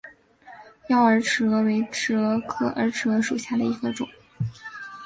妖洱尺蛾为尺蛾科洱尺蛾属下的一个种。